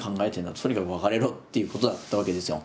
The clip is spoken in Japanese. とにかく別れろ」っていうことだったわけですよ。